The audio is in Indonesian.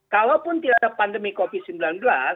kalaupun tidak ada pandemi covid sembilan belas